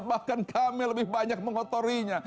bahkan kami lebih banyak mengotorinya